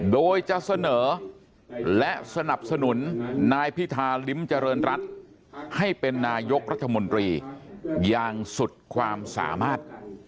โดยจะเสนอและสนับสนุนนายพิธาลิ้มเจริญรัฐให้เป็นนายกรัฐมนตรีอย่างสุดความสามารถ